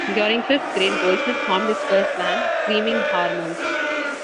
During fifth grade, Goldsmith formed his first band, Screaming Hormones.